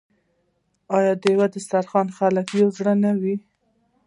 آیا د یو دسترخان خلک یو زړه نه وي؟